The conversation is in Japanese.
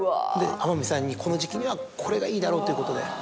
天海さんにこの時季にはこれがいいだろうということで。